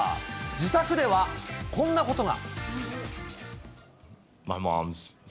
自宅ではこんなことが。